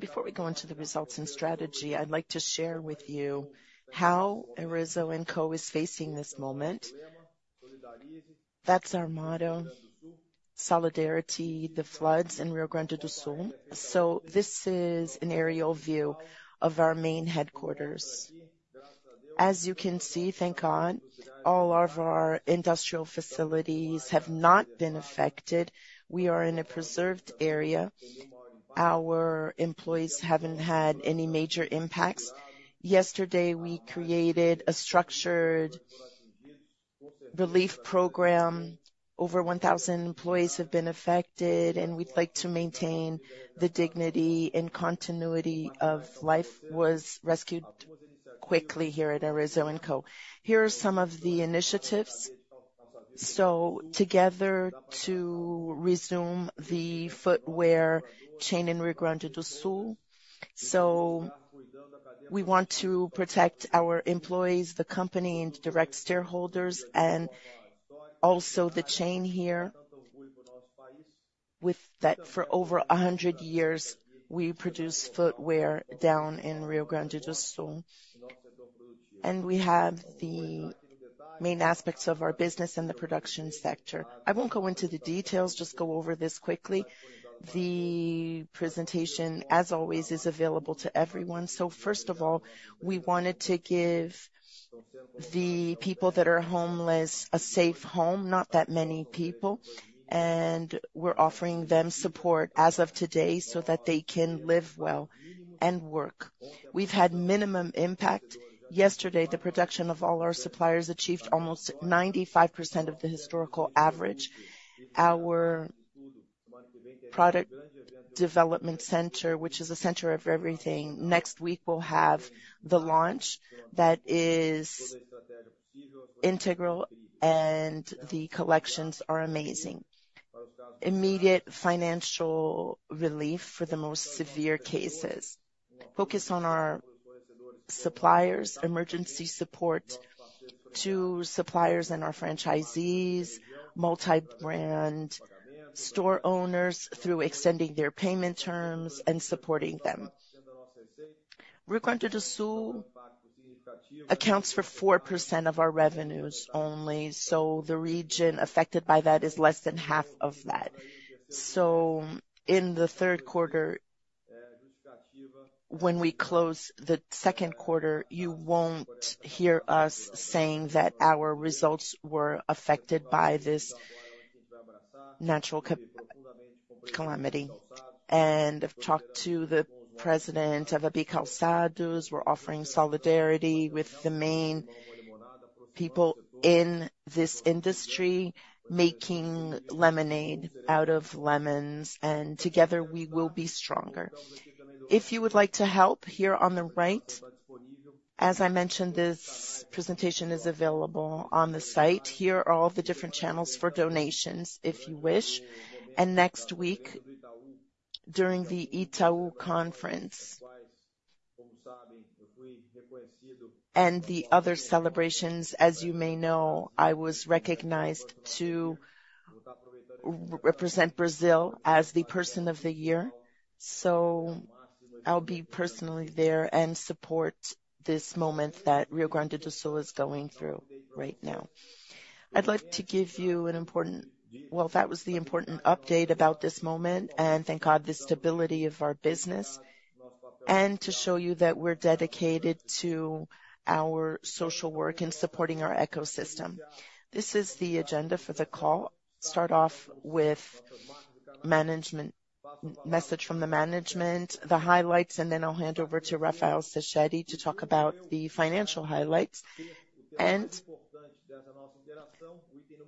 Before we go into the results and strategy, I'd like to share with you how Arezzo&Co is facing this moment. That's our motto: solidarity, the floods in Rio Grande do Sul. So this is an aerial view of our main headquarters. As you can see, thank God, all of our industrial facilities have not been affected. We are in a preserved area. Our employees haven't had any major impacts. Yesterday we created a structured relief program. Over 1,000 employees have been affected, and we'd like to maintain the dignity and continuity of life. Was rescued quickly here at Arezzo&Co. Here are some of the initiatives. So together to resume the footwear chain in Rio Grande do Sul. So we want to protect our employees, the company, and direct stakeholders, and also the chain here. For over 100 years we produce footwear down in Rio Grande do Sul, and we have the main aspects of our business in the production sector. I won't go into the details, just go over this quickly. The presentation, as always, is available to everyone. So first of all, we wanted to give the people that are homeless a safe home, not that many people, and we're offering them support as of today so that they can live well and work. We've had minimum impact. Yesterday the production of all our suppliers achieved almost 95% of the historical average. Our product development center, which is a center of everything, next week we'll have the launch that is integral, and the collections are amazing. Immediate financial relief for the most severe cases. Focus on our suppliers, emergency support to suppliers and our franchisees, multi-brand store owners through extending their payment terms and supporting them. Rio Grande do Sul accounts for 4% of our revenues only, so the region affected by that is less than half of that. In the third quarter, when we close the second quarter, you won't hear us saying that our results were affected by this natural calamity. I've talked to the president of Abicalçados. We're offering solidarity with the main people in this industry making lemonade out of lemons, and together we will be stronger. If you would like to help, here on the right, as I mentioned, this presentation is available on the site. Here are all the different channels for donations if you wish. Next week during the Itaú Conference and the other celebrations, as you may know, I was recognized to represent Brazil as the Person of the Year. So I'll be personally there and support this moment that Rio Grande do Sul is going through right now. I'd like to give you an important well, that was the important update about this moment, and thank God the stability of our business, and to show you that we're dedicated to our social work and supporting our ecosystem. This is the agenda for the call. Start off with a message from the management, the highlights, and then I'll hand over to Rafael Sachete to talk about the financial highlights. And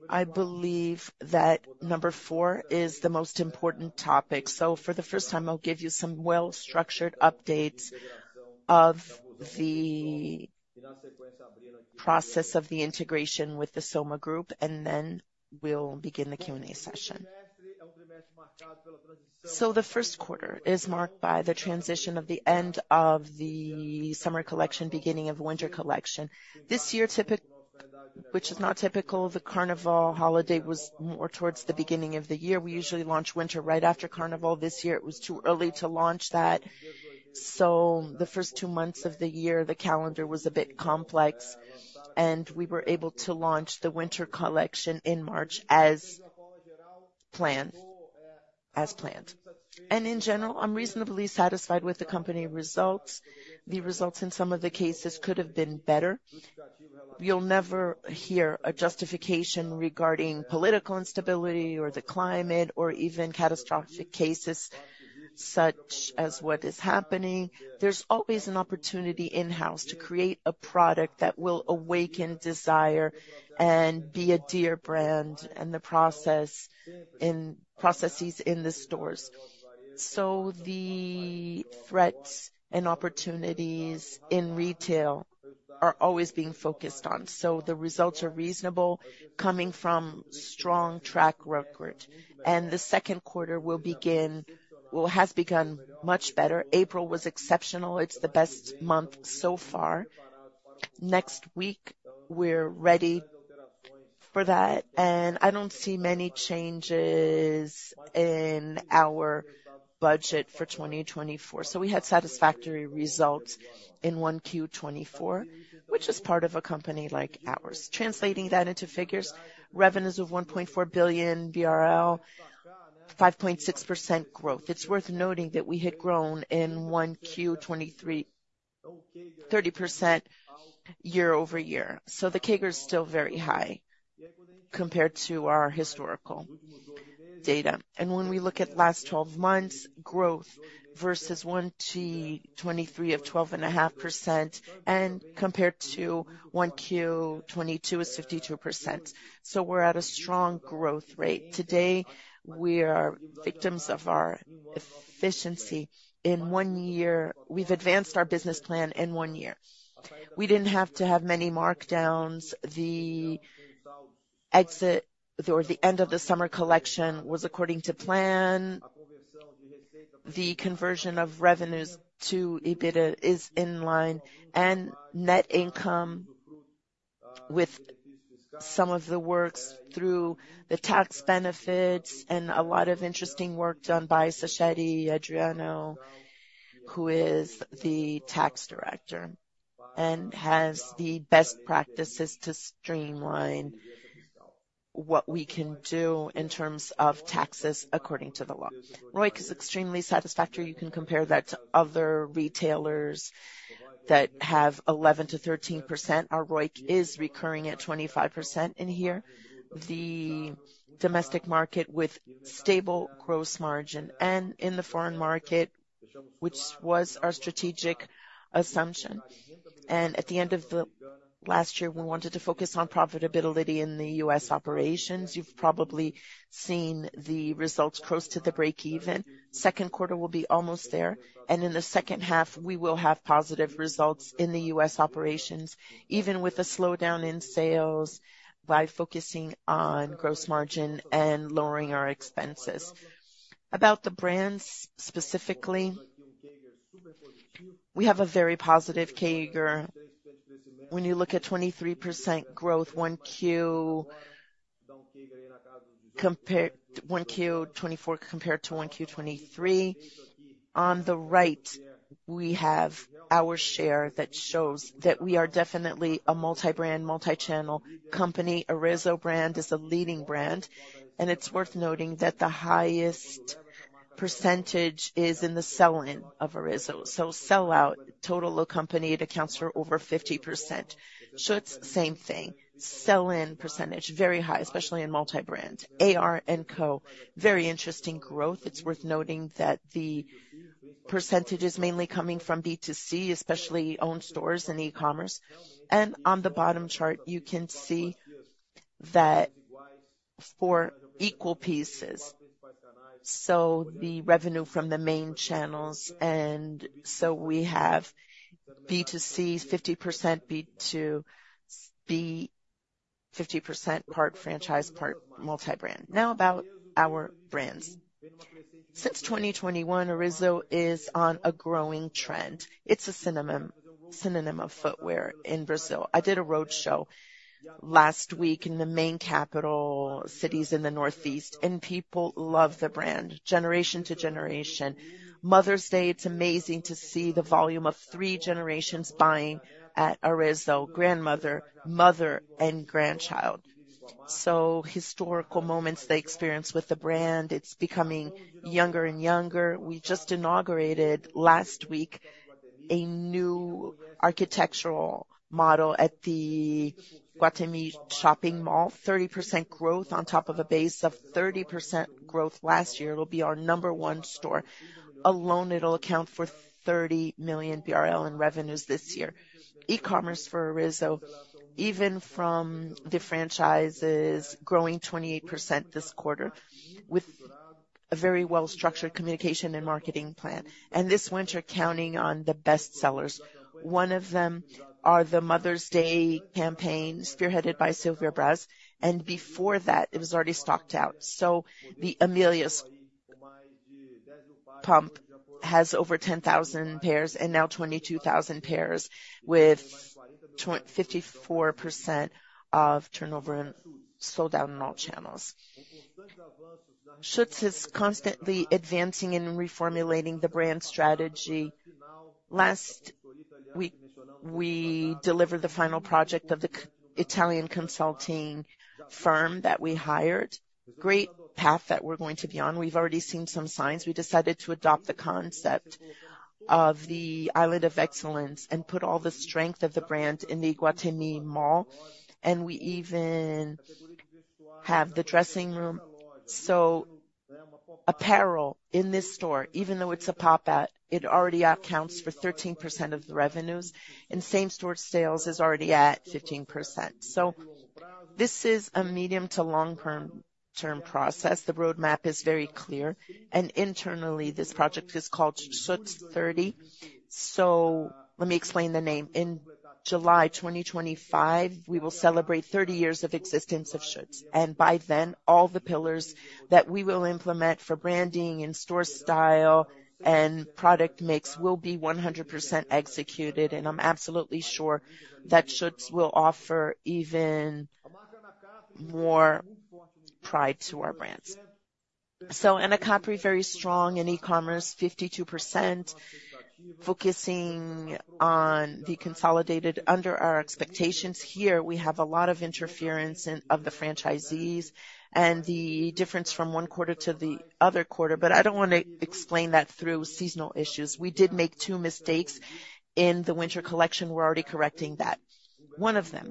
I believe that number 4 is the most important topic. So for the first time, I'll give you some well-structured updates of the process of the integration with Grupo SOMA, and then we'll begin the Q&A session. So the first quarter is marked by the transition of the end of the summer collection, beginning of winter collection. This year, which is not typical, the Carnival holiday was more towards the beginning of the year. We usually launch winter right after Carnival. This year it was too early to launch that. So the first two months of the year, the calendar was a bit complex, and we were able to launch the winter collection in March as planned. In general, I'm reasonably satisfied with the company results. The results in some of the cases could have been better. You'll never hear a justification regarding political instability or the climate or even catastrophic cases such as what is happening. There's always an opportunity in-house to create a product that will awaken desire and be a dear brand and the processes in the stores. So the threats and opportunities in retail are always being focused on. So the results are reasonable, coming from strong track record. The second quarter will begin well, has begun much better. April was exceptional. It's the best month so far. Next week we're ready for that, and I don't see many changes in our budget for 2024. So we had satisfactory results in 1Q24, which is part of a company like ours. Translating that into figures, revenues of 1.4 billion BRL, 5.6% growth. It's worth noting that we had grown in 1Q23 30% year-over-year. So the CAGR is still very high compared to our historical data. When we look at last 12 months, growth versus 1Q23 of 12.5% and compared to 1Q22 is 52%. So we're at a strong growth rate. Today we are victims of our efficiency in one year. We've advanced our business plan in one year. We didn't have to have many markdowns. The exit or the end of the summer collection was according to plan. The conversion of revenues to EBITDA is in line, and net income with some of the works through the tax benefits and a lot of interesting work done by Sachete, Adriano, who is the tax director and has the best practices to streamline what we can do in terms of taxes according to the law. ROIC is extremely satisfactory. You can compare that to other retailers that have 11%-13%. Our ROIC is recurring at 25% in here. The domestic market with stable gross margin and in the foreign market, which was our strategic assumption. At the end of last year we wanted to focus on profitability in the U.S. operations. You've probably seen the results close to the break-even. Second quarter will be almost there, and in the second half we will have positive results in the U.S. operations, even with a slowdown in sales by focusing on gross margin and lowering our expenses. About the brands specifically, we have a very positive CAGR. When you look at 23% growth 1Q24 compared to 1Q23, on the right we have our share that shows that we are definitely a multi-brand, multi-channel company. Arezzo brand is a leading brand, and it's worth noting that the highest percentage is in the sell-in of Arezzo. So sell-out, total company it accounts for over 50%. Schutz, same thing. Sell-in percentage, very high, especially in multi-brand. AR&Co, very interesting growth. It's worth noting that the percentage is mainly coming from B2C, especially owned stores and e-commerce. On the bottom chart you can see that for equal pieces, so the revenue from the main channels. So we have B2C 50%, B2B 50%, part franchise, part multi-brand. Now about our brands. Since 2021, Arezzo is on a growing trend. It's a synonym of footwear in Brazil. I did a road show last week in the main capital cities in the Northeast, and people love the brand generation to generation. Mother's Day, it's amazing to see the volume of three generations buying at Arezzo: grandmother, mother, and grandchild. So historical moments they experience with the brand. It's becoming younger and younger. We just inaugurated last week a new architectural model at the Iguatemi shopping mall. 30% growth on top of a base of 30% growth last year. It'll be our number one store alone. It'll account for 30 million BRL in revenues this year. E-commerce for Arezzo, even from the franchises, growing 28% this quarter with a very well-structured communication and marketing plan. This winter counting on the bestsellers. One of them are the Mother's Day campaigns spearheaded by Silvia Braz. And before that it was already sold out. So the Amélia's pump has over 10,000 pairs and now 22,000 pairs with 54% of turnover sold out in all channels. Schutz is constantly advancing and reformulating the brand strategy. Last week we delivered the final project of the Italian consulting firm that we hired. Great path that we're going to be on. We've already seen some signs. We decided to adopt the concept of the island of excellence and put all the strength of the brand in the Iguatemi mall. And we even have the dressing room. So apparel in this store, even though it's a pop-up, it already accounts for 13% of the revenues. And same-store sales is already at 15%. So this is a medium to long-term process. The roadmap is very clear. And internally this project is called Schutz 30. So let me explain the name. In July 2025 we will celebrate 30 years of existence of Schutz. And by then all the pillars that we will implement for branding and store style and product mix will be 100% executed. And I'm absolutely sure that Schutz will offer even more pride to our brands. So Anacapri, very strong in e-commerce, 52%, focusing on the consolidated under our expectations. Here we have a lot of interference of the franchisees and the difference from one quarter to the other quarter, but I don't want to explain that through seasonal issues. We did make two mistakes in the winter collection. We're already correcting that. One of them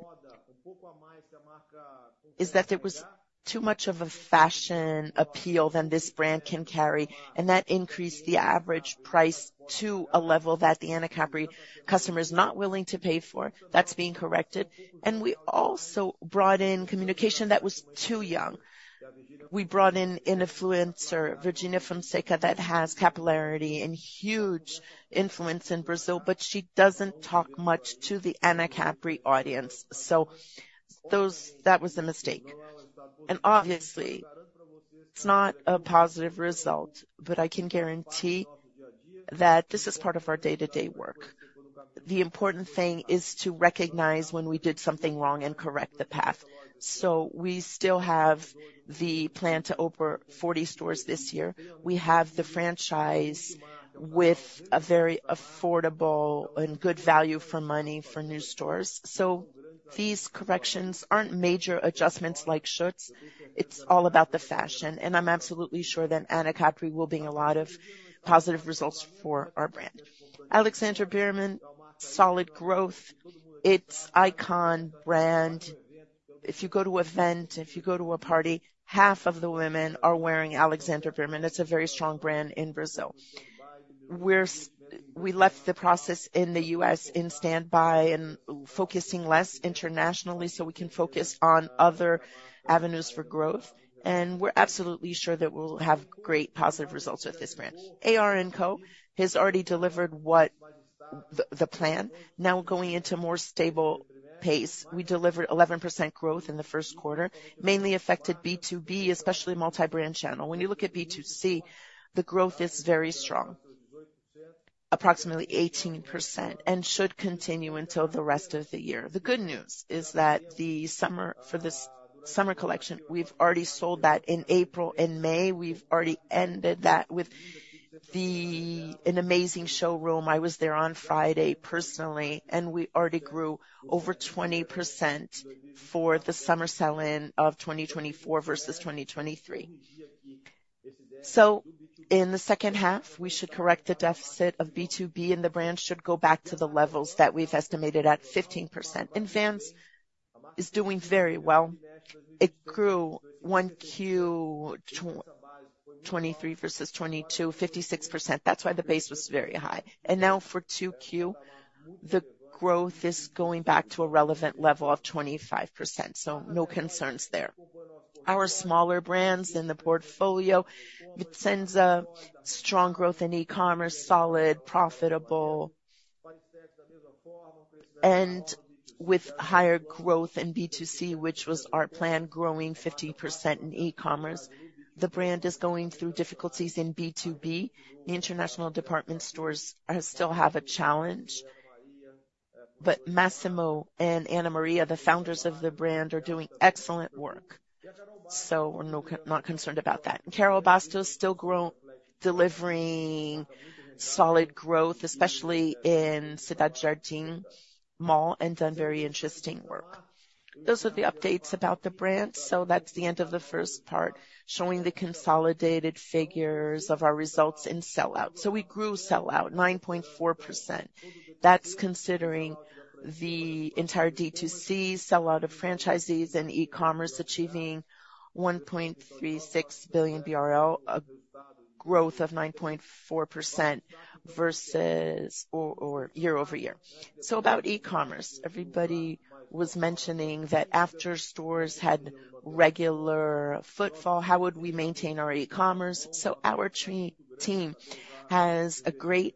is that there was too much of a fashion appeal than this brand can carry, and that increased the average price to a level that the Anacapri customer is not willing to pay for. That's being corrected. And we also brought in communication that was too young. We brought in an influencer, Virginia Fonseca, that has capillarity and huge influence in Brazil, but she doesn't talk much to the Anacapri audience. So that was a mistake. And obviously it's not a positive result, but I can guarantee that this is part of our day-to-day work. The important thing is to recognize when we did something wrong and correct the path. So we still have the plan to open 40 stores this year. We have the franchise with a very affordable and good value for money for new stores. So these corrections aren't major adjustments like Schutz. It's all about the fashion. And I'm absolutely sure that Anacapri will bring a lot of positive results for our brand. Alexandre Birman, solid growth. It's iconic brand. If you go to an event, if you go to a party, half of the women are wearing Alexandre Birman. It's a very strong brand in Brazil. We left the process in the U.S. in standby and focusing less internationally so we can focus on other avenues for growth. And we're absolutely sure that we'll have great positive results with this brand. AR&Co has already delivered the plan. Now we're going into a more stable pace. We delivered 11% growth in the first quarter, mainly affected B2B, especially multi-brand channel. When you look at B2C, the growth is very strong, approximately 18%, and should continue until the rest of the year. The good news is that for the summer collection we've already sold that in April. In May we've already ended that with an amazing showroom. I was there on Friday personally, and we already grew over 20% for the summer sell-in of 2024 versus 2023. So in the second half we should correct the deficit of B2B, and the brand should go back to the levels that we've estimated at 15%. Vans is doing very well. It grew 1Q23 versus 2022 56%. That's why the base was very high. And now for 2Q the growth is going back to a relevant level of 25%. So no concerns there. Our smaller brands in the portfolio, Vicenza a strong growth in e-commerce, solid, profitable. And with higher growth in B2C, which was our plan, growing 15% in e-commerce, the brand is going through difficulties in B2B. The international department stores still have a challenge, but Massimo and Annamaria, the founders of the brand, are doing excellent work. So we're not concerned about that. And Carol Bassi is still delivering solid growth, especially in Cidade Jardim mall, and done very interesting work. Those are the updates about the brand. So that's the end of the first part, showing the consolidated figures of our results in sell-out. So we grew sell-out 9.4%. That's considering the entire D2C, sell-out of franchisees, and e-commerce achieving 1.36 billion BRL, a growth of 9.4% year-over-year. So about e-commerce, everybody was mentioning that after stores had regular footfall, how would we maintain our e-commerce? Our team has the great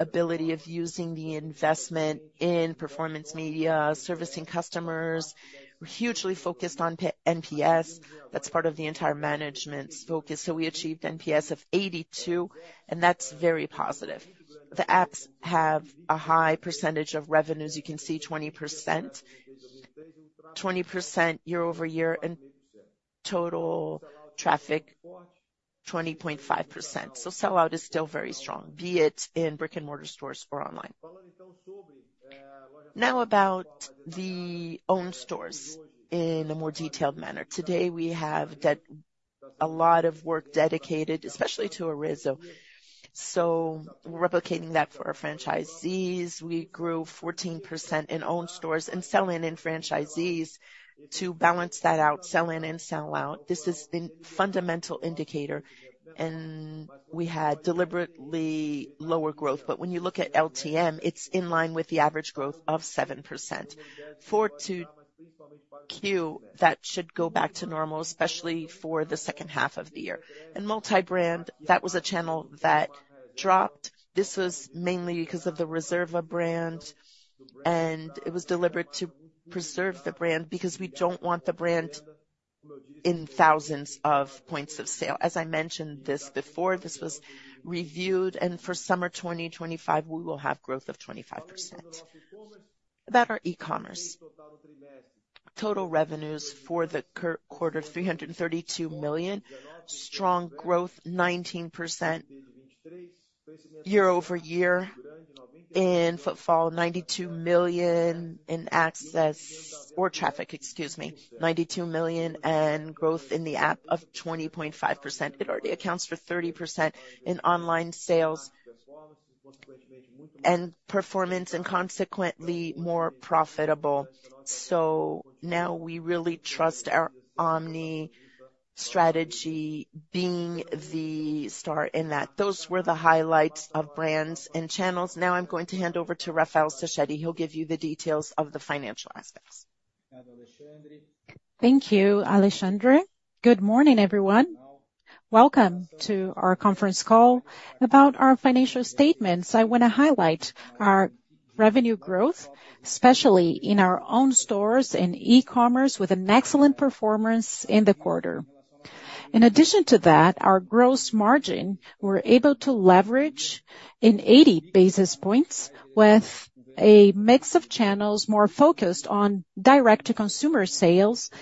ability of using the investment in performance media, servicing customers. We're hugely focused on NPS. That's part of the entire management focus. So we achieved NPS of 82, and that's very positive. The apps have a high percentage of revenues. You can see 20% year-over-year and total traffic 20.5%. So sell-out is still very strong, be it in brick and mortar stores or online. Now about the owned stores in a more detailed manner. Today we have a lot of work dedicated, especially to Arezzo. So we're replicating that for our franchisees. We grew 14% in owned stores and sell-in in franchisees to balance that out, sell-in and sell-out. This is the fundamental indicator. And we had deliberately lower growth. But when you look at LTM, it's in line with the average growth of 7%. For 2Q that should go back to normal, especially for the second half of the year. Multi-brand, that was a channel that dropped. This was mainly because of the Reserva brand, and it was deliberate to preserve the brand because we don't want the brand in thousands of points of sale. As I mentioned this before, this was reviewed, and for summer 2025 we will have growth of 25%. About our e-commerce, total revenues for the quarter 332 million, strong growth 19% year-over-year. In footfall 92 million in access or traffic, excuse me, 92 million and growth in the app of 20.5%. It already accounts for 30% in online sales and performance and consequently more profitable. So now we really trust our omni strategy being the star in that. Those were the highlights of brands and channels. Now I'm going to hand over to Rafael Sachete. He'll give you the details of the financial aspects. Thank you, Alexandre. Good morning, everyone. Welcome to our conference call about our financial statements. I want to highlight our revenue growth, especially in our own stores and e-commerce, with an excellent performance in the quarter. In addition to that, our gross margin we're able to leverage in 80 basis points with a mix of channels more focused on direct-to-consumer sales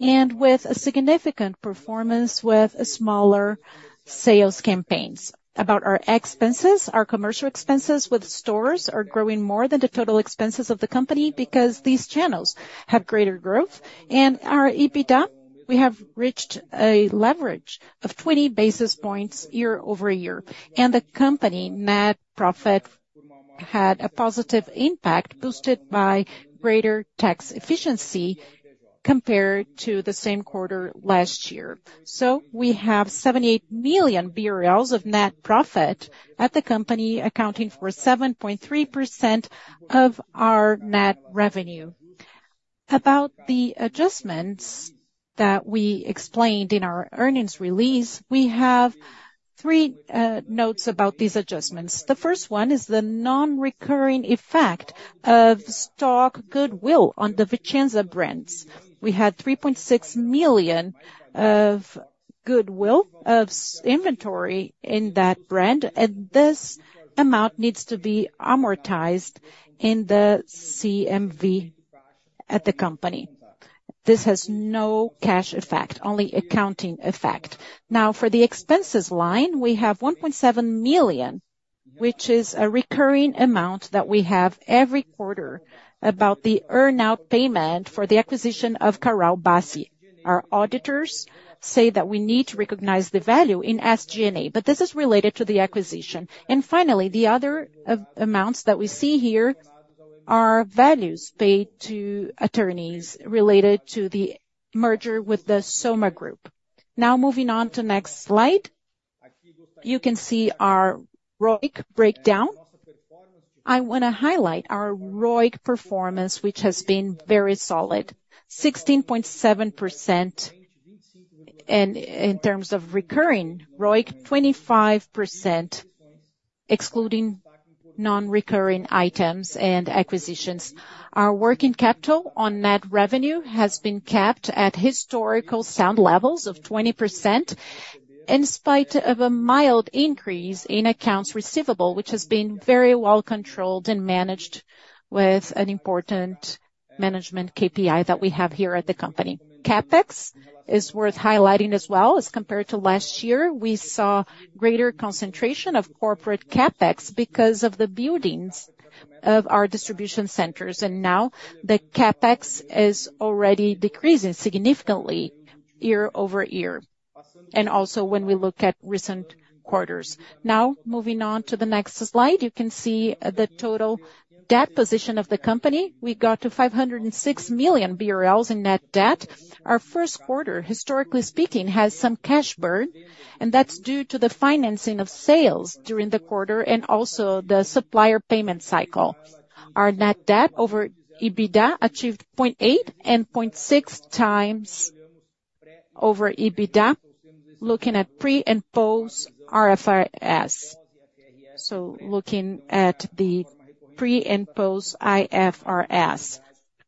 and with a significant performance with smaller sales campaigns. About our expenses, our commercial expenses with stores are growing more than the total expenses of the company because these channels have greater growth. Our EBITDA, we have reached a leverage of 20 basis points year-over-year. The company net profit had a positive impact boosted by greater tax efficiency compared to the same quarter last year. We have 78 million BRL of net profit at the company, accounting for 7.3% of our net revenue. About the adjustments that we explained in our earnings release, we have three notes about these adjustments. The first one is the non-recurring effect of stock goodwill on the Vicenza brands. We had 3.6 million of goodwill of inventory in that brand, and this amount needs to be amortized in the CMV at the company. This has no cash effect, only accounting effect. Now for the expenses line, we have 1.7 million, which is a recurring amount that we have every quarter about the earn-out payment for the acquisition of Carol Bassi. Our auditors say that we need to recognize the value in SG&A, but this is related to the acquisition. And finally, the other amounts that we see here are values paid to attorneys related to the merger with the Grupo SOMA. Now moving on to the next slide, you can see our ROIC breakdown. I want to highlight our ROIC performance, which has been very solid, 16.7% in terms of recurring. ROIC 25% excluding non-recurring items and acquisitions. Our working capital on net revenue has been kept at historical sound levels of 20% in spite of a mild increase in accounts receivable, which has been very well controlled and managed with an important management KPI that we have here at the company. CapEx is worth highlighting as well. As compared to last year, we saw greater concentration of corporate CapEx because of the buildings of our distribution centers. And now the CapEx is already decreasing significantly year-over-year, and also when we look at recent quarters. Now moving on to the next slide, you can see the total debt position of the company. We got to 506 million BRL in net debt. Our first quarter, historically speaking, has some cash burn, and that's due to the financing of sales during the quarter and also the supplier payment cycle. Our net debt over EBITDA achieved 0.8 and 0.6 times over EBITDA, looking at pre and post IFRS. So looking at the pre and post IFRS,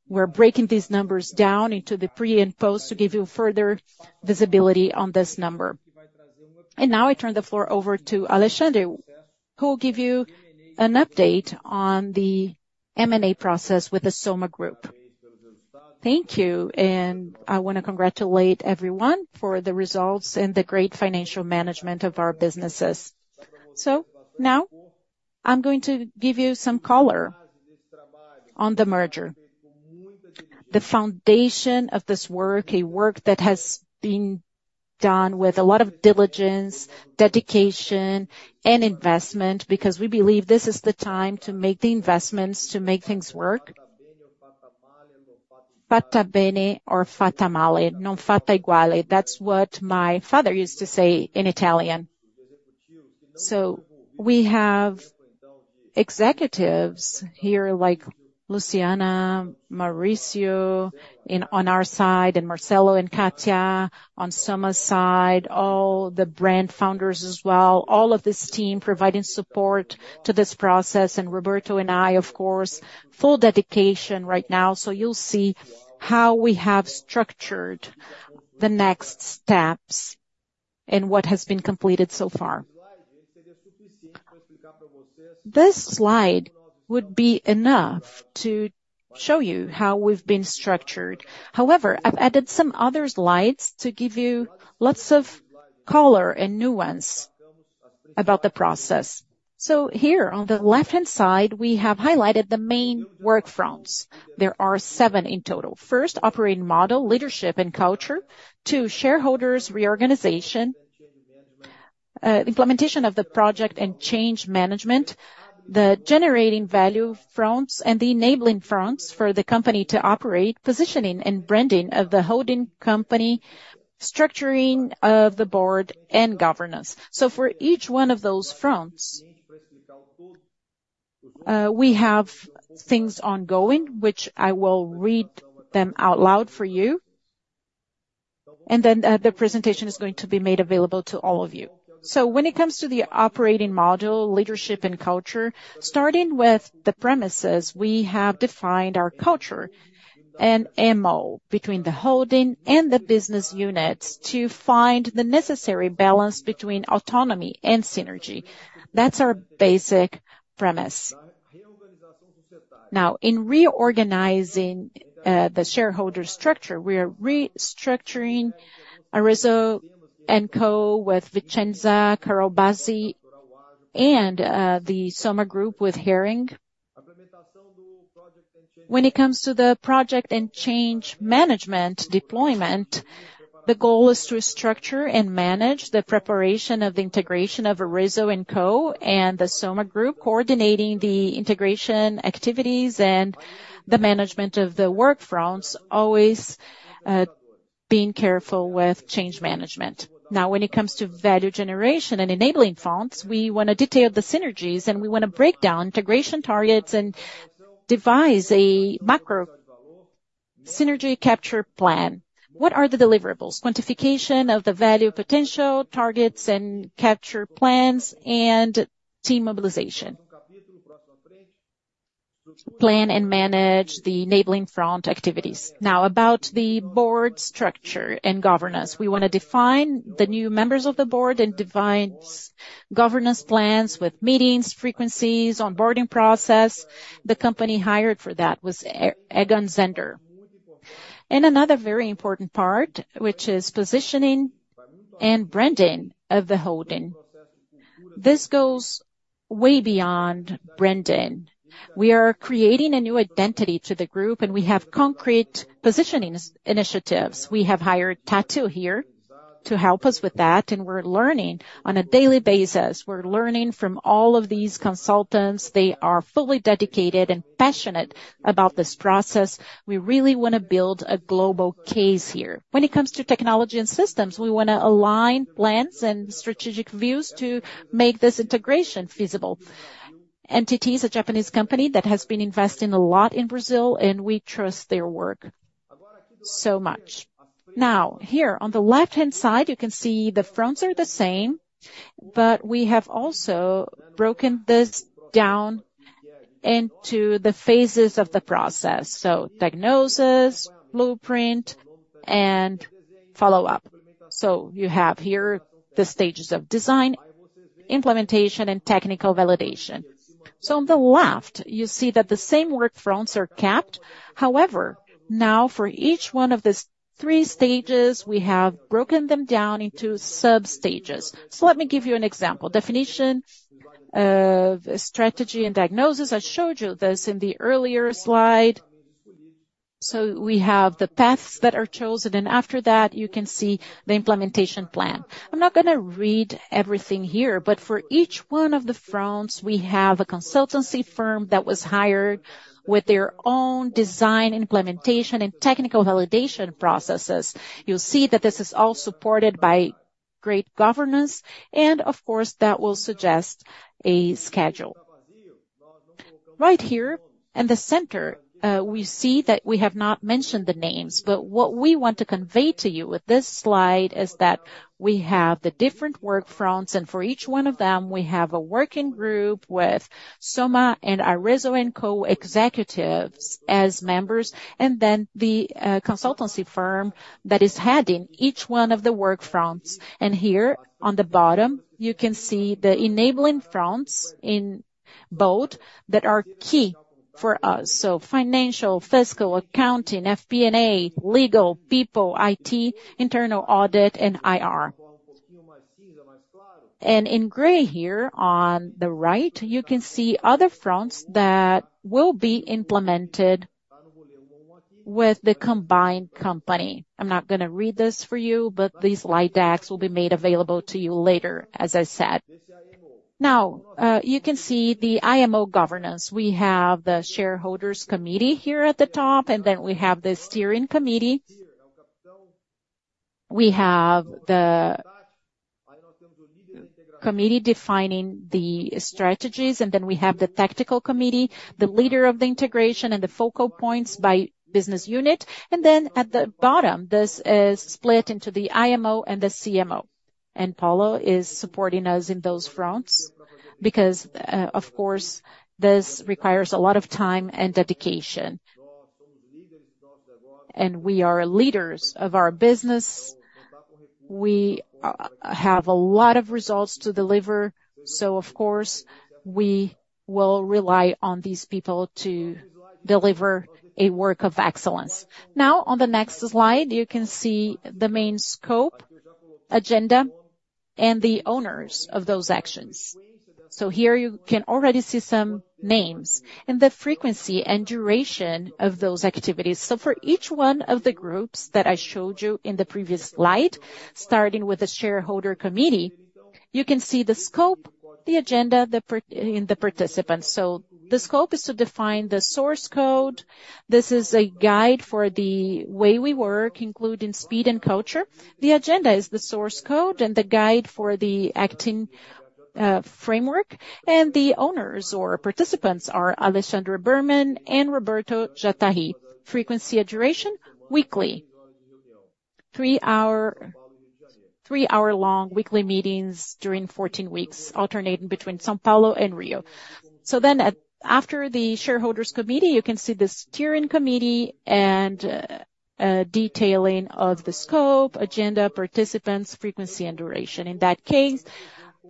we're breaking these numbers down into the pre and post to give you further visibility on this number. And now I turn the floor over to Alexandre, who will give you an update on the M&A process with the SOMA Group. Thank you. And I want to congratulate everyone for the results and the great financial management of our businesses. So now I'm going to give you some color on the merger. The foundation of this work, a work that has been done with a lot of diligence, dedication, and investment because we believe this is the time to make the investments to make things work. Fatta bene o fatta male, non fatta uguale. That's what my father used to say in Italian. So we have executives here like Luciana, Maurício on our side, and Marcelo and Kátia on SOMA's side, all the brand founders as well, all of this team providing support to this process. Roberto and I, of course, full dedication right now. So you'll see how we have structured the next steps and what has been completed so far. This slide would be enough to show you how we've been structured. However, I've added some other slides to give you lots of color and nuance about the process. So here on the left-hand side, we have highlighted the main work fronts. There are seven in total. First, operating model, leadership, and culture. Two, shareholders reorganization, implementation of the project and change management, the generating value fronts, and the enabling fronts for the company to operate, positioning, and branding of the holding company, structuring of the board, and governance. So for each one of those fronts, we have things ongoing, which I will read them out loud for you, and then the presentation is going to be made available to all of you. So when it comes to the operating model, leadership and culture, starting with the premises, we have defined our culture and MO between the holding and the business units to find the necessary balance between autonomy and synergy. That's our basic premise. Now, in reorganizing the shareholder structure, we are restructuring Arezzo&Co. With Vicenza, Carol Bassi, and the SOMA Group with Hering. When it comes to the project and change management deployment, the goal is to structure and manage the preparation of the integration of Arezzo&Co and the SOMA Group, coordinating the integration activities and the management of the work fronts, always being careful with change management. Now, when it comes to value generation and enabling fronts, we want to detail the synergies, and we want to break down integration targets and devise a macro synergy capture plan. What are the deliverables? Quantification of the value potential targets and capture plans and team mobilization. Plan and manage the enabling front activities. Now, about the board structure and governance, we want to define the new members of the board and define governance plans with meetings, frequencies, onboarding process. The company hired for that was Egon Zehnder. Another very important part, which is positioning and branding of the holding. This goes way beyond branding. We are creating a new identity to the group, and we have concrete positioning initiatives. We have hired Tátil Design here to help us with that, and we're learning on a daily basis. We're learning from all of these consultants. They are fully dedicated and passionate about this process. We really want to build a global case here. When it comes to technology and systems, we want to align plans and strategic views to make this integration feasible. NTT is a Japanese company that has been investing a lot in Brazil, and we trust their work so much. Now, here on the left-hand side, you can see the fronts are the same, but we have also broken this down into the phases of the process. So diagnosis, blueprint, and follow-up. So you have here the stages of design, implementation, and technical validation. So on the left, you see that the same work fronts are mapped. However, now for each one of these three stages, we have broken them down into sub-stages. So let me give you an example. Definition of strategy and diagnosis. I showed you this in the earlier slide. So we have the paths that are chosen, and after that, you can see the implementation plan. I'm not going to read everything here, but for each one of the fronts, we have a consultancy firm that was hired with their own design, implementation, and technical validation processes. You'll see that this is all supported by great governance, and of course, that will suggest a schedule. Right here in the center, we see that we have not mentioned the names, but what we want to convey to you with this slide is that we have the different work fronts, and for each one of them, we have a working group with Soma and Arezzo&Co executives as members, and then the consultancy firm that is heading each one of the work fronts. Here on the bottom, you can see the enabling fronts in both that are key for us: financial, fiscal, accounting, FP&A, legal, people, IT, internal audit, and IR. In gray here on the right, you can see other fronts that will be implemented with the combined company. I'm not going to read this for you, but these slide decks will be made available to you later, as I said. Now, you can see the IMO governance. We have the shareholders' committee here at the top, and then we have the steering committee. We have the committee defining the strategies, and then we have the tactical committee, the leader of the integration, and the focal points by business unit. And then at the bottom, this is split into the IMO and the CMO. And Paulo is supporting us in those fronts because, of course, this requires a lot of time and dedication. And we are leaders of our business. We have a lot of results to deliver. So, of course, we will rely on these people to deliver a work of excellence. Now, on the next slide, you can see the main scope agenda and the owners of those actions. So here you can already see some names and the frequency and duration of those activities. So for each one of the groups that I showed you in the previous slide, starting with the shareholder committee, you can see the scope, the agenda, and the participants. So the scope is to define the source code. This is a guide for the way we work, including speed and culture. The agenda is the source code and the guide for the acting framework. And the owners or participants are Alexandre Birman and Roberto Jatahy. Frequency and duration: weekly. 3-hour-long weekly meetings during 14 weeks, alternating between São Paulo and Rio. So then after the shareholders' committee, you can see this steering committee and detailing of the scope, agenda, participants, frequency, and duration. In that case,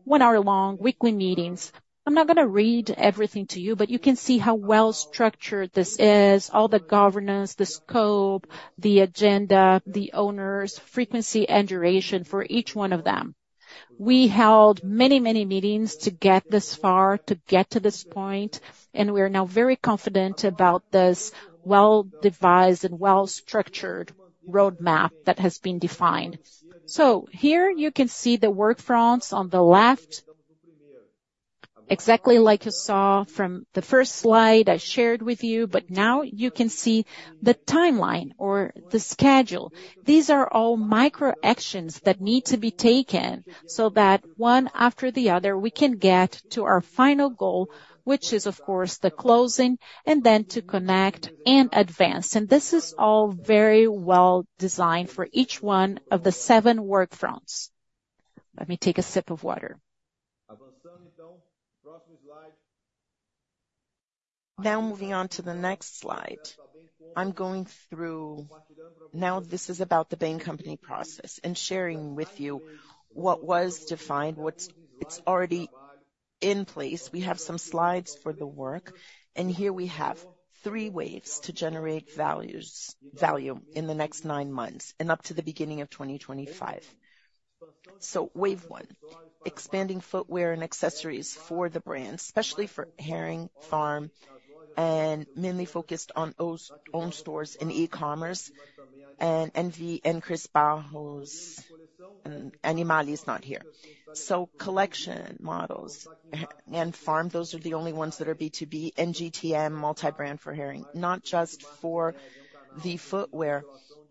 1-hour-long weekly meetings. I'm not going to read everything to you, but you can see how well structured this is, all the governance, the scope, the agenda, the owners, frequency, and duration for each one of them. We held many, many meetings to get this far, to get to this point, and we are now very confident about this well-devised and well-structured roadmap that has been defined. Here you can see the work fronts on the left, exactly like you saw from the first slide I shared with you, but now you can see the timeline or the schedule. These are all micro actions that need to be taken so that one after the other, we can get to our final goal, which is, of course, the closing, and then to connect and advance. This is all very well designed for each one of the seven work fronts. Let me take a sip of water. Now moving on to the next slide. I'm going through now this is about the combined company process and sharing with you what was defined, what's already in place. We have some slides for the work. Here we have three waves to generate value in the next nine months and up to the beginning of 2025. So wave one: expanding footwear and accessories for the brand, especially for Hering, Farm, and mainly focused on own stores and e-commerce. And Cris Barros and Animale is not here. So collection models and Farm, those are the only ones that are B2B, and GTM, multi-brand for Hering, not just for the footwear,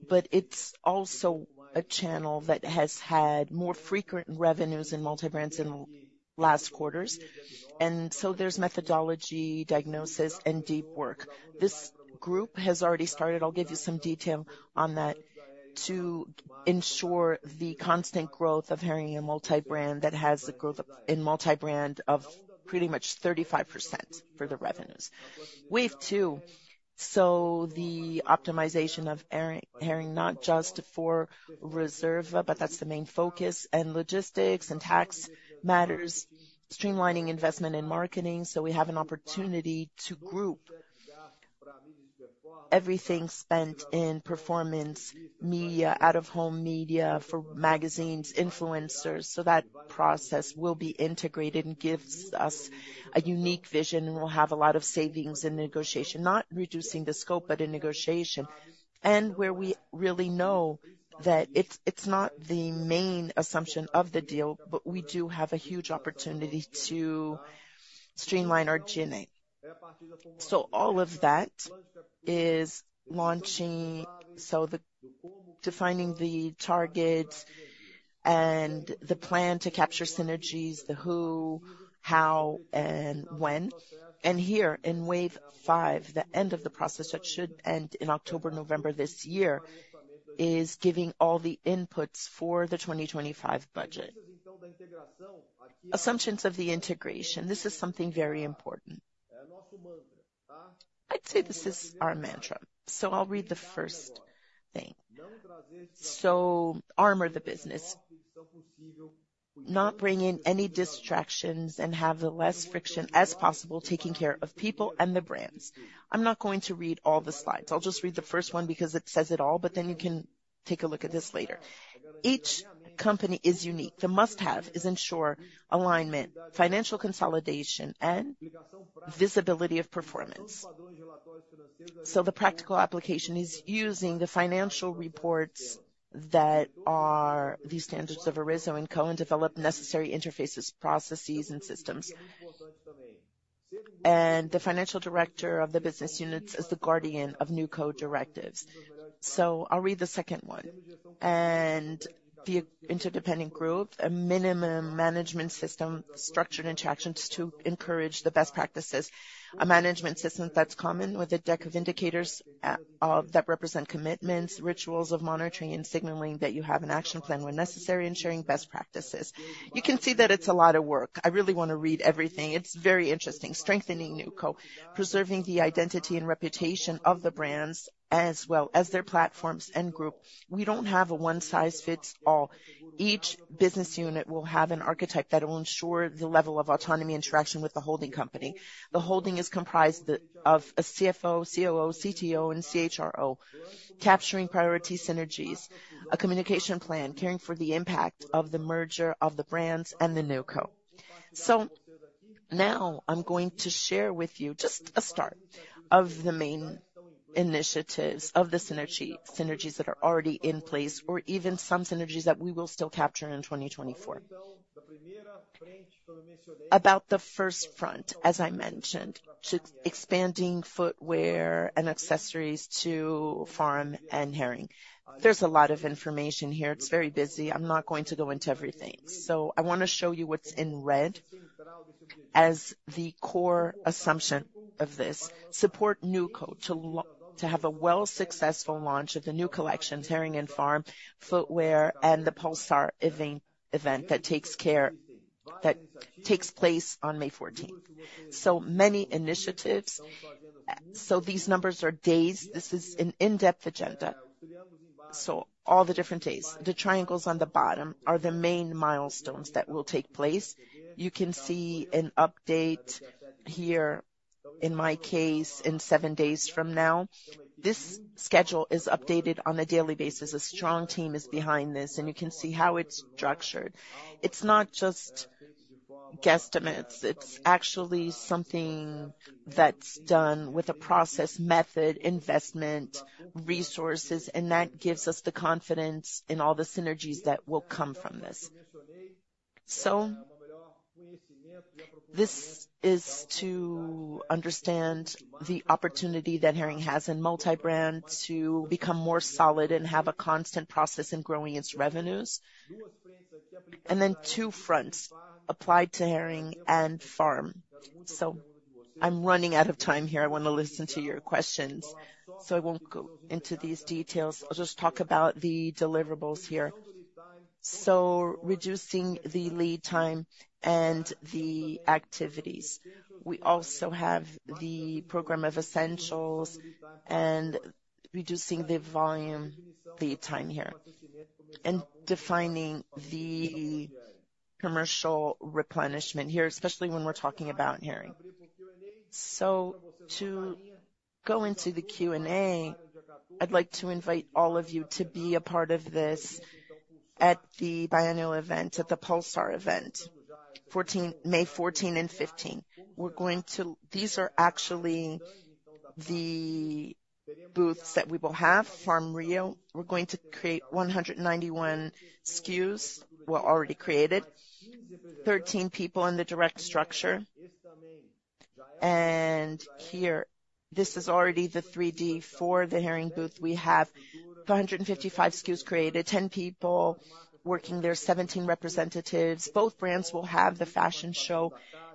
but it's also a channel that has had more frequent revenues in multi-brands in the last quarters. And so there's methodology, diagnosis, and deep work. This group has already started. I'll give you some detail on that to ensure the constant growth of Hering and multi-brand that has the growth in multi-brand of pretty much 35% for the revenues. Wave 2: so the optimization of Hering, not just for Reserva, but that's the main focus, and logistics and tax matters, streamlining investment and marketing. So we have an opportunity to group everything spent in performance media, out-of-home media for magazines, influencers. So that process will be integrated and gives us a unique vision, and we'll have a lot of savings in negotiation, not reducing the scope, but in negotiation. Where we really know that it's not the main assumption of the deal, but we do have a huge opportunity to streamline our G&A. So all of that is launching, so defining the targets and the plan to capture synergies, the who, how, and when. Here in wave five, the end of the process that should end in October, November this year is giving all the inputs for the 2025 budget. Assumptions of the integration. This is something very important. I'd say this is our mantra. So I'll read the first thing. So armor the business, not bring in any distractions and have the less friction as possible, taking care of people and the brands. I'm not going to read all the slides. I'll just read the first one because it says it all, but then you can take a look at this later. Each company is unique. The must-have is ensure alignment, financial consolidation, and visibility of performance. So the practical application is using the financial reports that are the standards of Arezzo&Co and develop necessary interfaces, processes, and systems. The financial director of the business units is the guardian of NewCo directives. So I'll read the second one. The interdependent group, a minimum management system, structured interactions to encourage the best practices, a management system that's common with a deck of indicators that represent commitments, rituals of monitoring and signaling that you have an action plan when necessary, and sharing best practices. You can see that it's a lot of work. I really want to read everything. It's very interesting. Strengthening NewCo, preserving the identity and reputation of the brands as well as their platforms and group. We don't have a one-size-fits-all. Each business unit will have an archetype that will ensure the level of autonomy interaction with the holding company. The holding is comprised of a CFO, COO, CTO, and CHRO, capturing priority synergies, a communication plan, caring for the impact of the merger of the brands and the NewCo. So now I'm going to share with you just a start of the main initiatives of the synergies that are already in place or even some synergies that we will still capture in 2024. About the first front, as I mentioned, to expanding footwear and accessories to Farm and Hering. There's a lot of information here. It's very busy. I'm not going to go into everything. So I want to show you what's in red as the core assumption of this: support NewCo to have a well-successful launch of the new collections, Hering and Farm, footwear, and the Pulsar event that takes place on May 14th. So many initiatives. So these numbers are days. This is an in-depth agenda. So all the different days. The triangles on the bottom are the main milestones that will take place. You can see an update here in my case in seven days from now. This schedule is updated on a daily basis. A strong team is behind this, and you can see how it's structured. It's not just guesstimates. It's actually something that's done with a process, method, investment, resources, and that gives us the confidence in all the synergies that will come from this. So this is to understand the opportunity that Hering has in multi-brand to become more solid and have a constant process in growing its revenues. And then two fronts applied to Hering and Farm. So I'm running out of time here. I want to listen to your questions, so I won't go into these details. I'll just talk about the deliverables here. So reducing the lead time and the activities. We also have the program of essentials and reducing the volume, lead time here, and defining the commercial replenishment here, especially when we're talking about Hering. So to go into the Q&A, I'd like to invite all of you to be a part of this at the biannual event, at the Pulsar event, May 14 and 15. These are actually the booths that we will have, Farm Rio. We're going to create 191 SKUs. We're already created, 13 people in the direct structure. And here, this is already the 3D for the Hering booth. We have 155 SKUs created, 10 people working there, 17 representatives. Both brands will have the fashion show,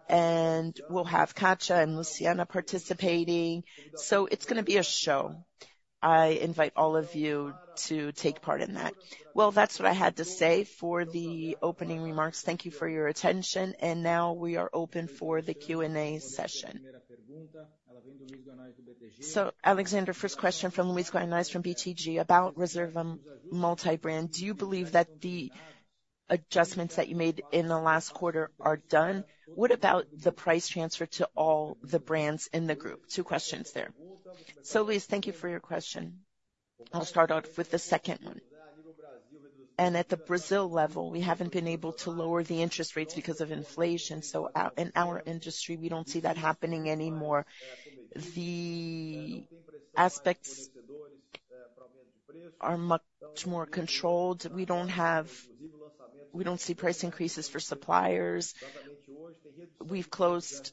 and we'll have Kátia and Luciana participating. So it's going to be a show. I invite all of you to take part in that. Well, that's what I had to say for the opening remarks. Thank you for your attention. Now we are open for the Q&A session. So Alexandre, first question from Luiz Guanais from BTG about Reserva multi-brand. Do you believe that the adjustments that you made in the last quarter are done? What about the price transfer to all the brands in the group? Two questions there. So Luiz, thank you for your question. I'll start off with the second one. At the Brazil level, we haven't been able to lower the interest rates because of inflation, so in our industry, we don't see that happening anymore. The aspects are much more controlled. We don't see price increases for suppliers. We've closed,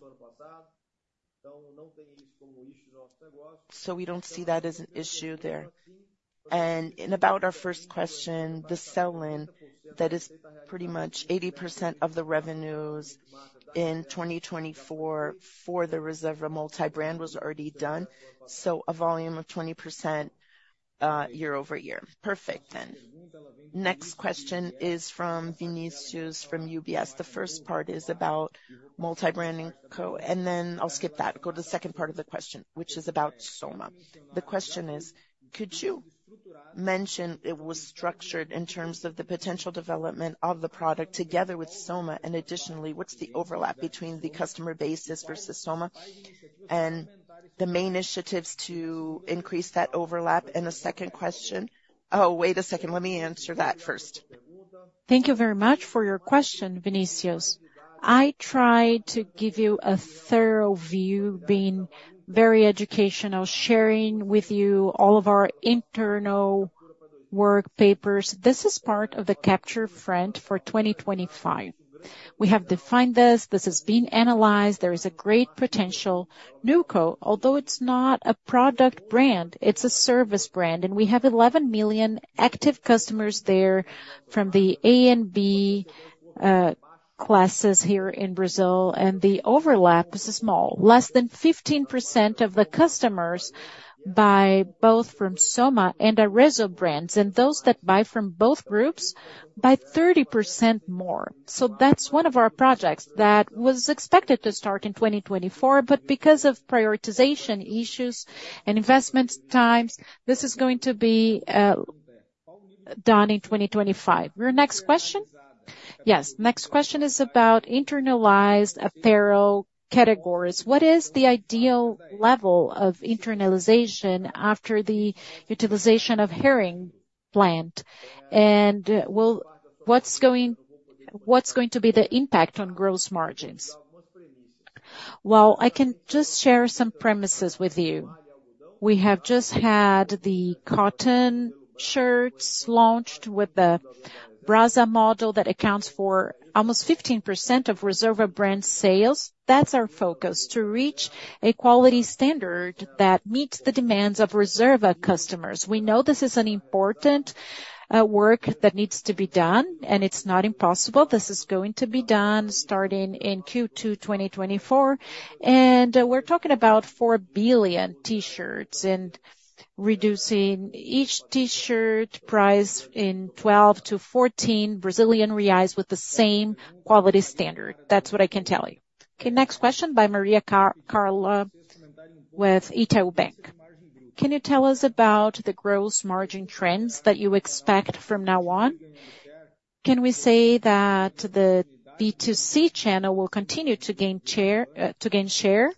so we don't see that as an issue there. And now about our first question, the sell-in that is pretty much 80% of the revenues in 2024 for the Reserva multi-brand was already done, so a volume of 20% year-over-year. Perfect then. Next question is from Vinícius from UBS. The first part is about multi-brand AR&Co, and then I'll skip that. Go to the second part of the question, which is about SOMA. The question is, could you mention it was structured in terms of the potential development of the product together with SOMA? And additionally, what's the overlap between the customer base versus SOMA and the main initiatives to increase that overlap? And a second question. Oh, wait a second. Let me answer that first. Thank you very much for your question, Vinícius. I tried to give you a thorough view, being very educational, sharing with you all of our internal work papers. This is part of the capture front for 2025. We have defined this. This has been analyzed. There is a great potential NewCo, although it's not a product brand. It's a service brand, and we have 11 million active customers there from the A and B classes here in Brazil, and the overlap is small, less than 15% of the customers buy both from SOMA and Arezzo brands, and those that buy from both groups buy 30% more. So that's one of our projects that was expected to start in 2024, but because of prioritization issues and investment times, this is going to be done in 2025. Your next question? Yes. Next question is about internalized apparel categories. What is the ideal level of internalization after the utilization of Hering plant? And what's going to be the impact on gross margins? Well, I can just share some premises with you. We have just had the cotton shirts launched with the Brasa model that accounts for almost 15% of Reserva brand sales. That's our focus, to reach a quality standard that meets the demands of Reserva customers. We know this is an important work that needs to be done, and it's not impossible. This is going to be done starting in Q2 2024. And we're talking about 4 billion T-shirts and reducing each T-shirt price in 12-14 Brazilian reais with the same quality standard. That's what I can tell you. Okay. Next question by Maria Clara with Itaú BBA. Can you tell us about the gross margin trends that you expect from now on? Can we say that the B2C channel will continue to gain share?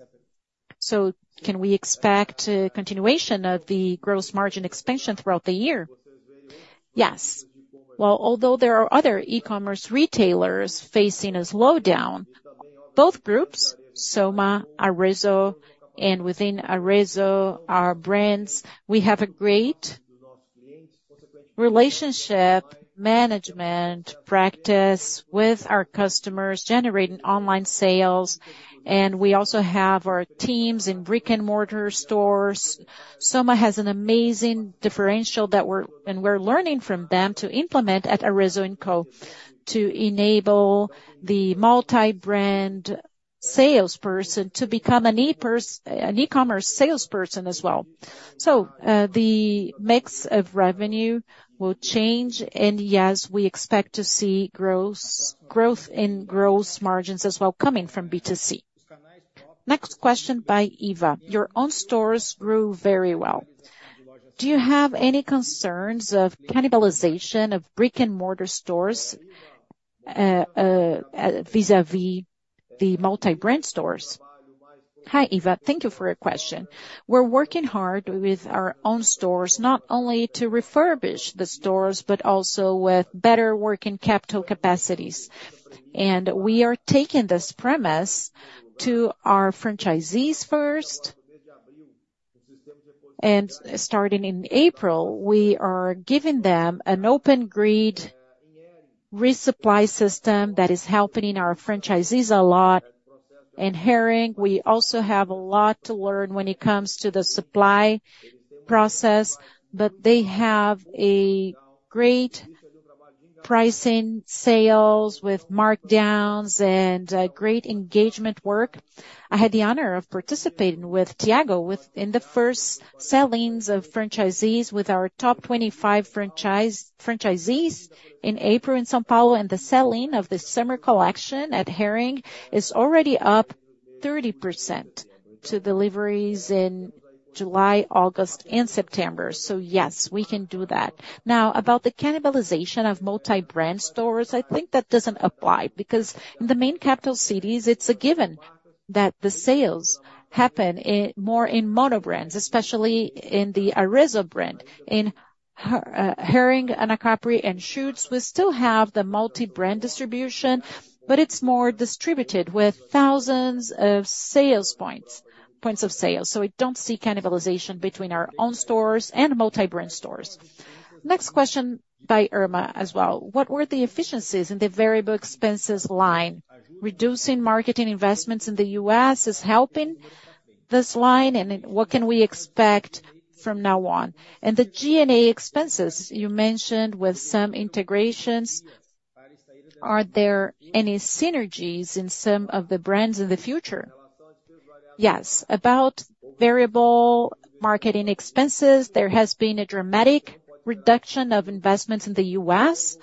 So can we expect continuation of the gross margin expansion throughout the year? Yes. Well, although there are other e-commerce retailers facing a slowdown, both groups, SOMA, Arezzo, and within Arezzo, our brands, we have a great relationship, management practice with our customers, generating online sales. And we also have our teams in brick and mortar stores. SOMA has an amazing differential that we're learning from them to implement at Arezzo&Co to enable the multi-brand salesperson to become an e-commerce salesperson as well. So the mix of revenue will change, and yes, we expect to see growth in gross margins as well coming from B2C. Next question by Irma. Your own stores grew very well. Do you have any concerns of cannibalization of brick and mortar stores vis-à-vis the multi-brand stores? Hi Irma. Thank you for your question. We're working hard with our own stores not only to refurbish the stores but also with better working capital capacities. We are taking this premise to our franchisees first. Starting in April, we are giving them an open-grid resupply system that is helping our franchisees a lot. Hering, we also have a lot to learn when it comes to the supply process, but they have great pricing, sales with markdowns, and great engagement work. I had the honor of participating with Thiago in the first sell-ins of franchisees with our top 25 franchisees in April in São Paulo, and the sell-in of the summer collection at Hering is already up 30% to deliveries in July, August, and September. So yes, we can do that. Now, about the cannibalization of multi-brand stores, I think that doesn't apply because in the main capital cities, it's a given that the sales happen more in mono brands, especially in the Arezzo brand. In Hering, Anacapri and Schutz, we still have the multi-brand distribution, but it's more distributed with thousands of points of sale. So we don't see cannibalization between our own stores and multi-brand stores. Next question by Irma as well. What were the efficiencies in the variable expenses line? Reducing marketing investments in the U.S. is helping this line, and what can we expect from now on? And the G&A expenses you mentioned with some integrations, are there any synergies in some of the brands in the future? Yes. About variable marketing expenses, there has been a dramatic reduction of investments in the U.S.,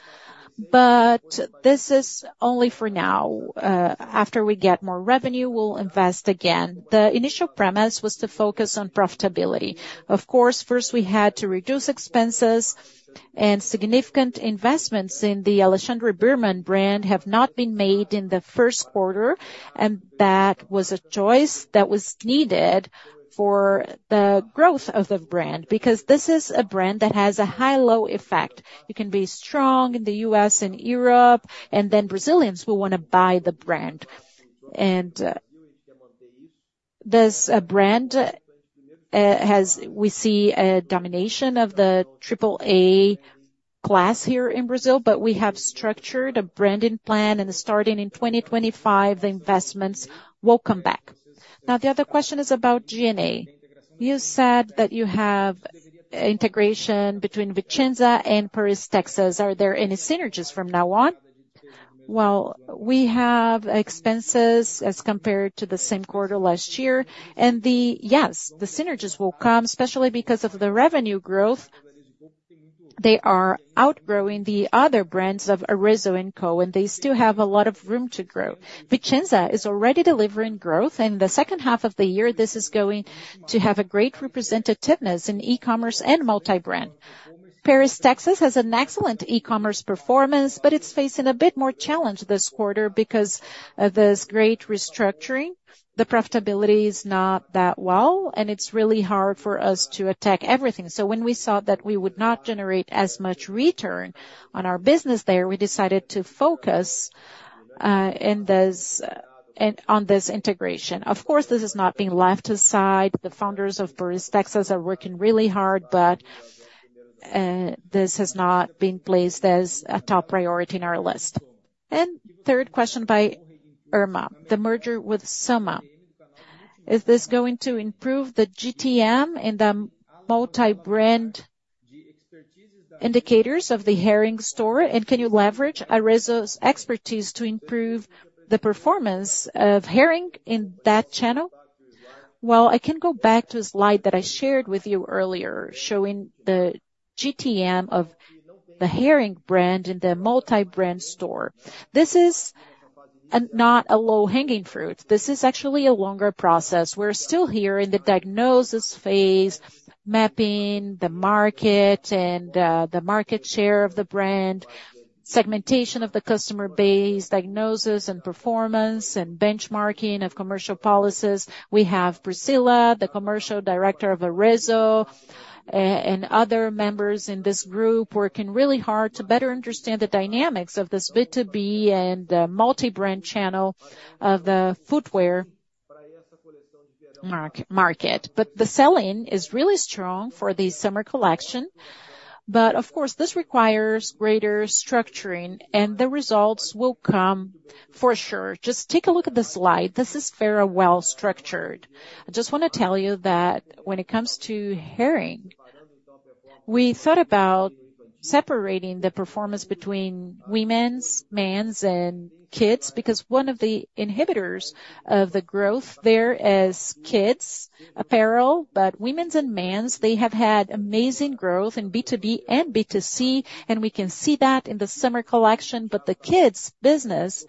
but this is only for now. After we get more revenue, we'll invest again. The initial premise was to focus on profitability. Of course, first we had to reduce expenses, and significant investments in the Alexandre Birman brand have not been made in the first quarter, and that was a choice that was needed for the growth of the brand because this is a brand that has a high-low effect. You can be strong in the U.S. and Europe, and then Brazilians will want to buy the brand. And this brand, we see a domination of the AAA class here in Brazil, but we have structured a branding plan, and starting in 2025, the investments will come back. Now, the other question is about G&A. You said that you have integration between Vicenza and Paris Texas. Are there any synergies from now on? Well, we have expenses as compared to the same quarter last year, and yes, the synergies will come, especially because of the revenue growth. They are outgrowing the other brands of Arezzo&Co, and they still have a lot of room to grow. Vicenza is already delivering growth, and in the second half of the year, this is going to have a great representativeness in e-commerce and multi-brand. Paris Texas has an excellent e-commerce performance, but it's facing a bit more challenge this quarter because of this great restructuring. The profitability is not that well, and it's really hard for us to attack everything. So when we saw that we would not generate as much return on our business there, we decided to focus on this integration. Of course, this is not being left aside. The founders of Paris Texas are working really hard, but this has not been placed as a top priority in our list. And third question by Irma. The merger with SOMA, is this going to improve the GTM in the multi-brand indicators of the Hering store, and can you leverage Arezzo's expertise to improve the performance of Hering in that channel? Well, I can go back to a slide that I shared with you earlier showing the GTM of the Hering brand in the multi-brand store. This is not a low-hanging fruit. This is actually a longer process. We're still here in the diagnosis phase, mapping the market and the market share of the brand, segmentation of the customer base, diagnosis and performance, and benchmarking of commercial policies. We have Priscila, the commercial director of Arezzo, and other members in this group working really hard to better understand the dynamics of this B2B and multi-brand channel of the footwear market. But the sell-in is really strong for the summer collection, but of course, this requires greater structuring, and the results will come for sure. Just take a look at this slide. This is fairly well structured. I just want to tell you that when it comes to Hering, we thought about separating the performance between women, men, and kids because one of the inhibitors of the growth there is kids' apparel, but women and men, they have had amazing growth in B2B and B2C, and we can see that in the summer collection. But the kids' business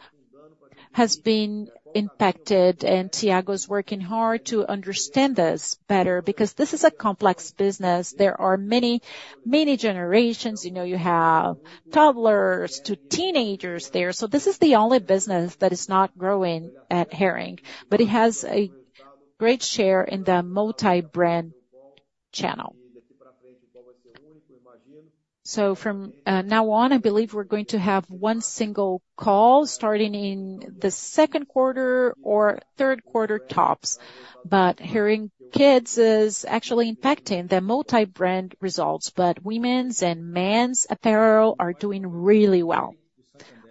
has been impacted, and Thiago's working hard to understand this better because this is a complex business. There are many, many generations. You have toddlers to teenagers there. So this is the only business that is not growing at Hering, but it has a great share in the multi-brand channel. So from now on, I believe we're going to have one single call starting in the second quarter or third quarter tops. But Hering Kids is actually impacting the multi-brand results, but women's and men's apparel are doing really well.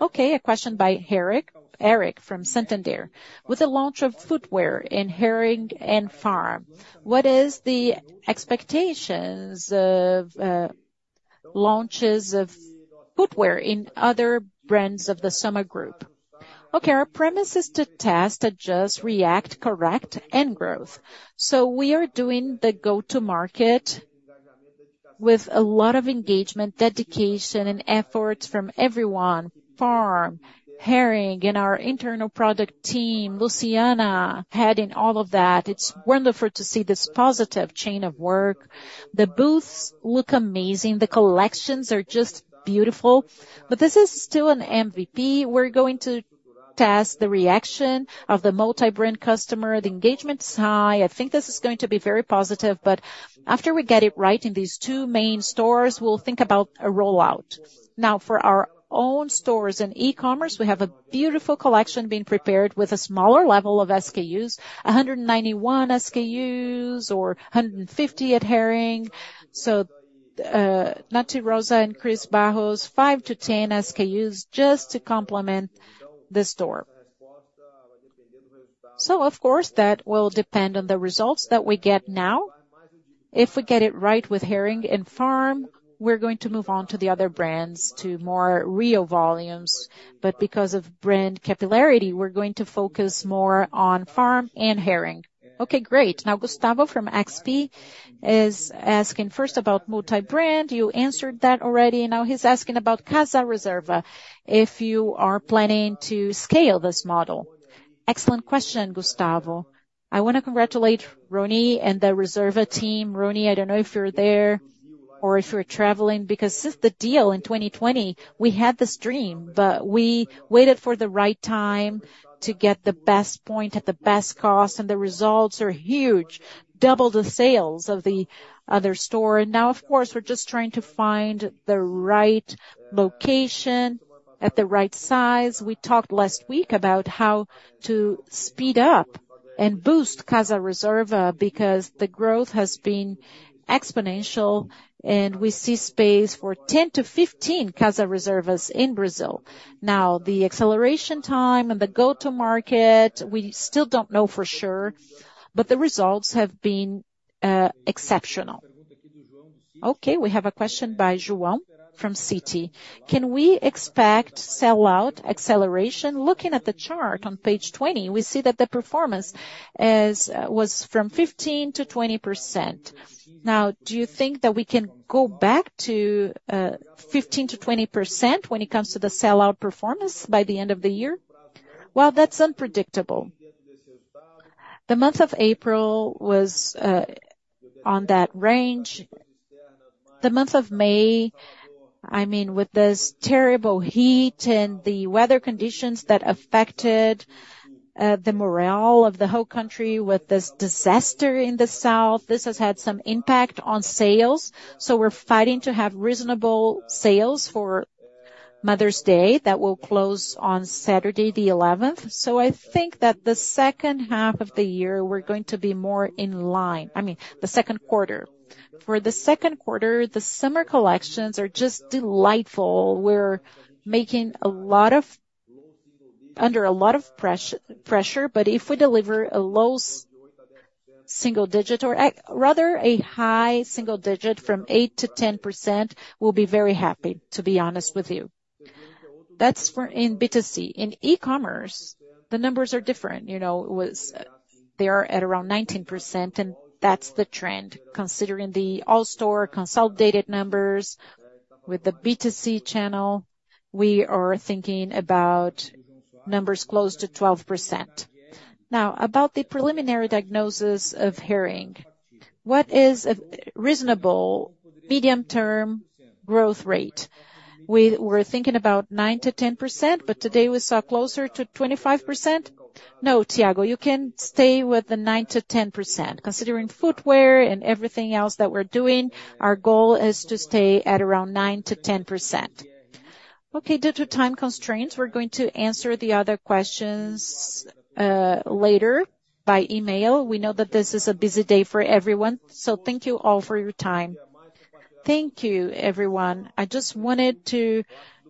Okay. A question by Eric from Santander. With the launch of footwear in Hering and Farm, what is the expectations of launches of footwear in other brands of the SOMA Group? Okay. Our premise is to test, adjust, react, correct, and growth. So we are doing the go-to-market with a lot of engagement, dedication, and efforts from everyone, Farm, Hering, and our internal product team. Luciana heading all of that. It's wonderful to see this positive chain of work. The booths look amazing. The collections are just beautiful, but this is still an MVP. We're going to test the reaction of the multi-brand customer. The engagement is high. I think this is going to be very positive, but after we get it right in these two main stores, we'll think about a rollout. Now, for our own stores and e-commerce, we have a beautiful collection being prepared with a smaller level of SKUs, 191 SKUs or 150 at Hering. So not to Reserva and Cris Barros, 5-10 SKUs just to complement the store. So of course, that will depend on the results that we get now. If we get it right with Hering and Farm, we're going to move on to the other brands to more real volumes, but because of brand capillarity, we're going to focus more on Farm and Hering. Okay. Great. Now, Gustavo from XP is asking first about multi-brand. You answered that already. Now he's asking about Casa Reserva, if you are planning to scale this model. Excellent question, Gustavo. I want to congratulate Rony and the Reserva team. Rony, I don't know if you're there or if you're traveling because since the deal in 2020, we had this dream, but we waited for the right time to get the best point at the best cost, and the results are huge, double the sales of the other store. Now, of course, we're just trying to find the right location at the right size. We talked last week about how to speed up and boost Casa Reserva because the growth has been exponential, and we see space for 10 to 15 Casa Reservas in Brazil. Now, the acceleration time and the go-to-market, we still don't know for sure, but the results have been exceptional. Okay. We have a question by João from Citi. Can we expect sell-out acceleration? Looking at the chart on page 20, we see that the performance was 15%-20%. Now, do you think that we can go back to 15%-20% when it comes to the sell-out performance by the end of the year? Well, that's unpredictable. The month of April was on that range. The month of May, I mean, with this terrible heat and the weather conditions that affected the morale of the whole country with this disaster in the South, this has had some impact on sales. So we're fighting to have reasonable sales for Mother's Day that will close on Saturday, the 11th. So I think that the second half of the year, we're going to be more in line. I mean, the second quarter. For the second quarter, the summer collections are just delightful. We're making a lot of under a lot of pressure, but if we deliver a low single digit or rather a high single digit from 8%-10%, we'll be very happy, to be honest with you. That's in B2C. In e-commerce, the numbers are different. They are at around 19%, and that's the trend considering the all-store consolidated numbers. With the B2C channel, we are thinking about numbers close to 12%. Now, about the preliminary diagnosis of Hering, what is a reasonable medium-term growth rate? We were thinking about 9%-10%, but today we saw closer to 25%. No, Thiago, you can stay with the 9%-10%. Considering footwear and everything else that we're doing, our goal is to stay at around 9%-10%. Okay. Due to time constraints, we're going to answer the other questions later by email. We know that this is a busy day for everyone, so thank you all for your time. Thank you, everyone. I just wanted to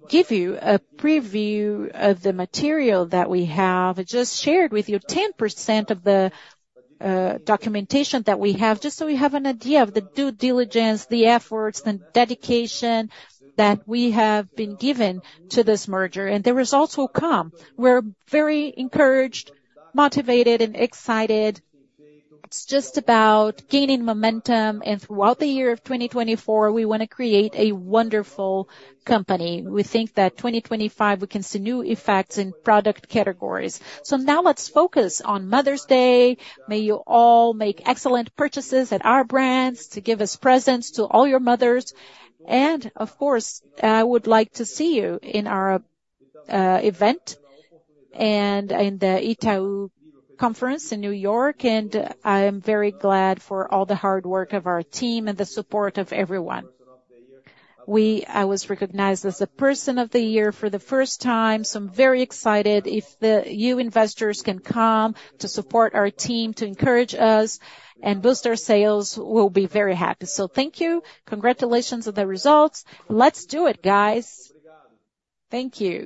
give you a preview of the material that we have. I just shared with you 10% of the documentation that we have just so you have an idea of the due diligence, the efforts, the dedication that we have been given to this merger, and the results will come. We're very encouraged, motivated, and excited. It's just about gaining momentum, and throughout the year of 2024, we want to create a wonderful company. We think that 2025, we can see new effects in product categories. So now let's focus on Mother's Day. May you all make excellent purchases at our brands to give us presents to all your mothers. Of course, I would like to see you in our event and in the Itaú Conference in New York, and I am very glad for all the hard work of our team and the support of everyone. I was recognized as a Person of the Year for the first time, so I'm very excited if the new investors can come to support our team, to encourage us, and boost our sales. We'll be very happy. Thank you. Congratulations on the results. Let's do it, guys. Thank you.